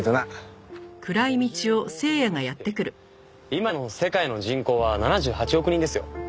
今の世界の人口は７８億人ですよ。